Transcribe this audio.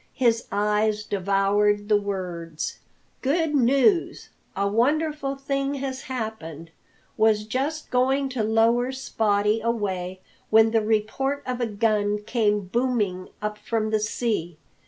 His eyes devoured the words: "Good news! A wonderful thing has happened. Was just going to lower Spottie away when the report of a gun came booming up from the sea.